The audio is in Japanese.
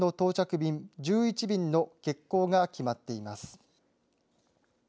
便１１便の欠航が決まっています。